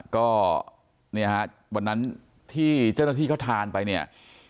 ก็เนี่ยฮะวันนั้นที่เจ้าหน้าที่เขาทานไปเนี่ย